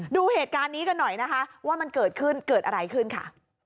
ดูเหตุการณ์นี้กันหน่อยนะคะว่ามันเกิดขึ้นเกิดอะไรขึ้นค่ะ